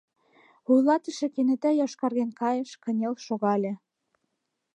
Вуйлатыше кенета йошкарген кайыш, кынел шогале.